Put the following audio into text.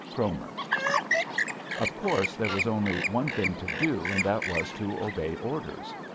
CROMER. Of course, there was only one thing to do and that was to obey orders.